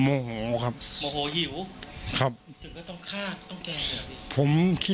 โมโหหิวถึงก็ต้องฆ่าต้องแกล้งเหรอพี่